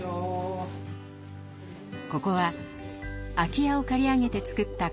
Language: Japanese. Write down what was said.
ここは空き家を借り上げて作った